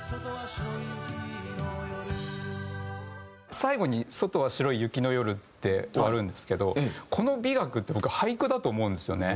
最後に「外は白い雪の夜」で終わるんですけどこの美学って僕は俳句だと思うんですよね。